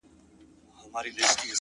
تا دي کرلي ثوابونه د عذاب وخت ته-